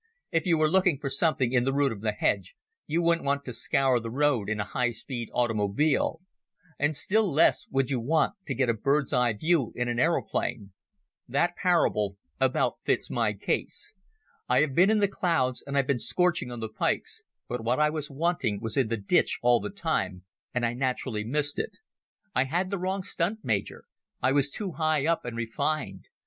"If you were looking for something in the root of the hedge, you wouldn't want to scour the road in a high speed automobile. And still less would you want to get a bird's eye view in an aeroplane. That parable about fits my case. I have been in the clouds and I've been scorching on the pikes, but what I was wanting was in the ditch all the time, and I naturally missed it ... I had the wrong stunt, Major. I was too high up and refined.